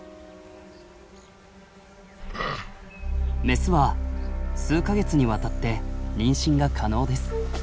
メスは数か月にわたって妊娠が可能です。